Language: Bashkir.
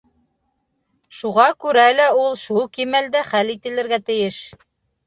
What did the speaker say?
Шуға күрә лә ул шул кимәлдә хәл ителергә тейеш.